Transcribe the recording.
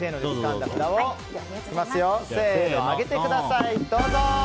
せーので上げてください。